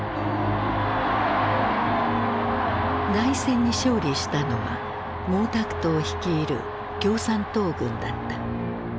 内戦に勝利したのは毛沢東率いる共産党軍だった。